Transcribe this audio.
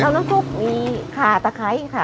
น้ำซุปมีขาตะไคร้ค่ะ